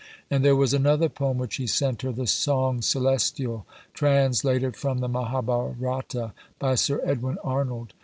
And there was another poem which he sent her: The Song Celestial, translated from the Mahâbhârata by Sir Edwin Arnold.